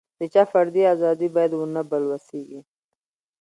د چا فردي ازادي باید ونه بلوسېږي.